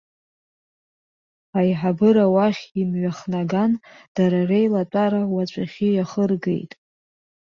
Аиҳабыра уахь имҩахнаган, дара реилатәара уаҵәахьы иахыргеит.